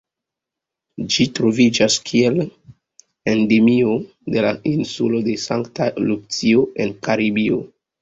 Ĝi troviĝas kiel endemio de la insulo de Sankta Lucio en Karibio.